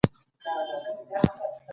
تدریس یو هنر دی خو پوهنه یو ارزښت دی.